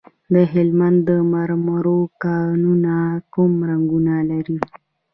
د هلمند د مرمرو کانونه کوم رنګونه لري؟